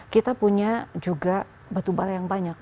kita punya juga batubara yang banyak